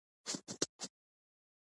د غزني په ګیرو کې د مسو نښې شته.